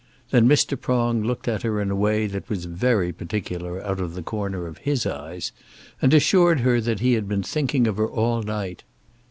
Then Mr. Prong looked at her in a way that was very particular out of the corner of his eyes, and assured her that he had been thinking of her all night.